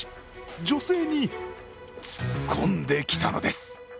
女性に突っ込んできたのです。